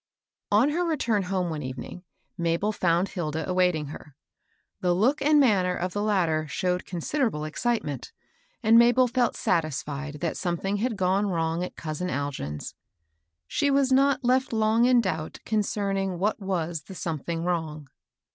N her return home one evening, Mabel found Hilda awaiting her. The ^look and manner of the latter showed con siderable excitement, and Mabel felt sat isfied that something had gone wrongs at cousin Algin's. She was not left long in doubt concerning what was the something wrong.